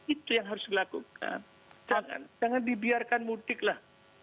itu yang harus dilakukan jangan dibiarkan mudik lah